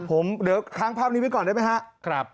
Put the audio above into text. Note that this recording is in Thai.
ผมเดี๋ยวค้างภาพนี้ไว้ก่อนได้ไหมครับ